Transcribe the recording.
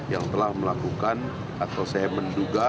yang telah melakukan atau saya menduga